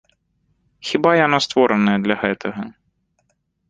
Хіба яно створанае для гэтага?